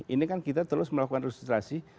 ini kan kita terus melakukan registrasi